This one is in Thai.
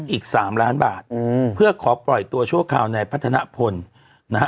อีกสามล้านบาทอืมเพื่อขอปล่อยตัวชั่วคราวในพัฒนพลนะฮะ